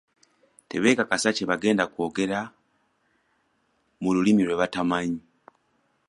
Tebeekakasa kye bagenda kwogera mu lulimi lwe batamanyi.